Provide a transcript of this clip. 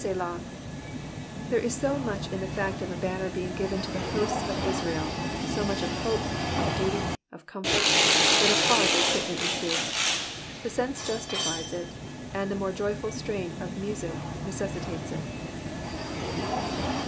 iS!eZaA.*' There is so much in the fact of a banner being given to the hosts of Israel, so much of hope, of duty, of comfort, that a pause is fitly introduced. The sense justifies it, and the more joyful strain of the music necessitates it.